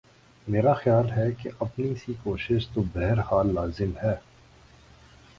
میرا خیال ہے کہ اپنی سی کوشش تو بہر حال لازم ہے۔